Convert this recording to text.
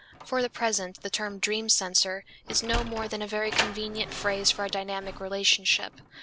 For the present, the term "dream censor" is no more than a very convenient phrase for a dynamic relationship.